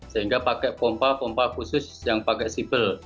sehingga pakai pompa pompa khusus yang pakai sibel